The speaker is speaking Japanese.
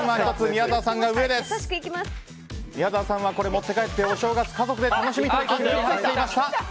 宮澤さんはこれを持って帰ってお正月、家族で楽しみたいと話していました。